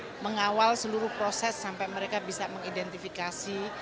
dan mengawal seluruh proses sampai mereka bisa mengidentifikasi